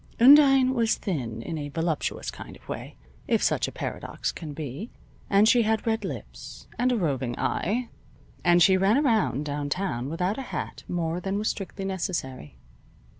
Undine was thin in a voluptuous kind of way, if such a paradox can be, and she had red lips, and a roving eye, and she ran around downtown without a hat more than was strictly necessary.